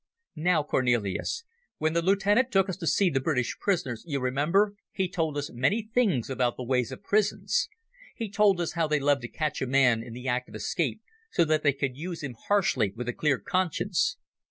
"Now, Cornelis, when the lieutenant took us to see the British prisoners, you remember, he told us many things about the ways of prisons. He told us how they loved to catch a man in the act of escape, so that they could use him harshly with a clear conscience.